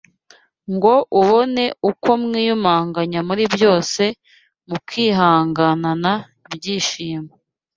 ngo mubone uko mwiyumanganya muri byose mukihanganana ibyishimo